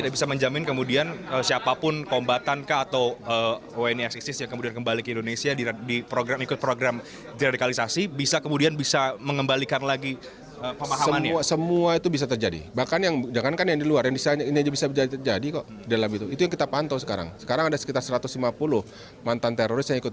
bapak komjen paul soehardi alius